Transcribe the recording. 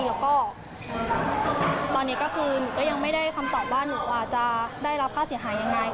แล้วก็ตอนนี้ก็คือหนูก็ยังไม่ได้คำตอบว่าหนูอาจจะได้รับค่าเสียหายยังไง